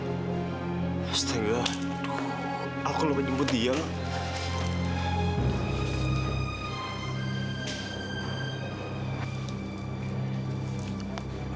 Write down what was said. astaga aku lupa jemput dia loh